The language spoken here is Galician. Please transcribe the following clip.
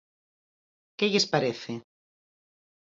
Que lles parece?